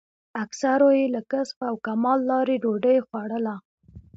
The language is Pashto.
اکثرو یې له کسب او کمال لارې ډوډۍ خوړله.